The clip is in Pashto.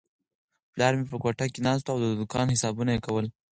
پلار مې په کوټه کې ناست و او د دوکان حسابونه یې کول.